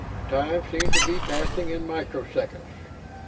Time seemed to be passing in micro seconds